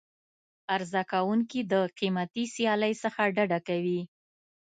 عرضه کوونکي د قیمتي سیالۍ څخه ډډه کوي.